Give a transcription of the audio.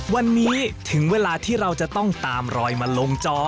วันนี้ถึงเวลาที่เราจะต้องตามรอยมาลงจอ